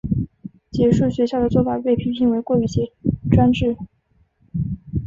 结束学校的做法被批评为过于专制。